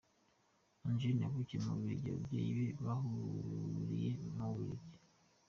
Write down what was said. Angeline yavukiye mu Bubiligi, ababyeyi be bahuriye mu Bubiligi.